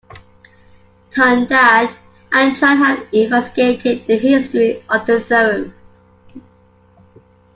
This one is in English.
Ton-That and Tran have investigated the history of the theorem.